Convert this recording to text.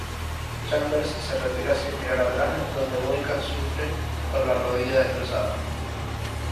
Chambers se retira sin mirar atrás, donde Boyka sufre por la rodilla destrozada.